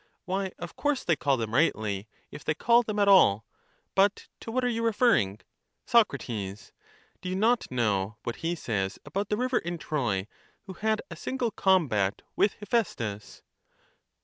Why, of course they call them rightly, if they call them at all. But to what are you referring? Soc. Do you not know what he says about the river in Troy who had a single combat with Hephaestus?